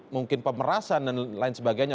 mungkin pemerasan dan lain sebagainya